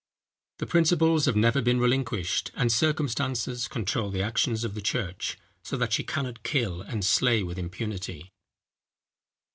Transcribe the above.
The principles have never been relinquished; but circumstances control the actions of the church, so that she cannot kill and slay with impunity.